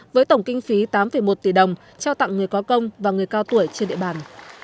với tổng kinh phí tám một tỷ đồng trao tặng người có công và người cao tuổi trên địa bàn